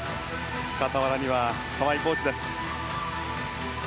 傍らにはコーチです。